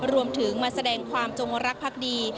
รวมถึงมาแสดงความจงรักภักดี